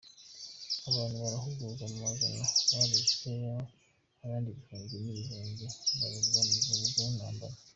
Abantu baharugwa mu majana barishwe abandi ibihumbi n'ibihumbi bakurwa mu ngo n'intambara.